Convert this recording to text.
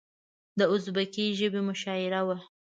د ازبکي ژبې مشاعره وه.